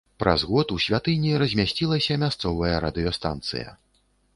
Праз год у святыні размясцілася мясцовая радыёстанцыя.